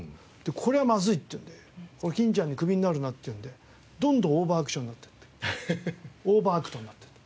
これはまずいっていうので欽ちゃんにクビになるなっていうのでどんどんオーバーアクションになっていってオーバーアクトになっていった。